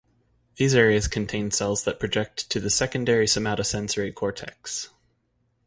These areas contain cells that project to the secondary somatosensory cortex.